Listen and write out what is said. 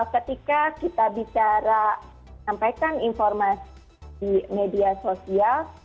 ketika kita bicara sampaikan informasi di media sosial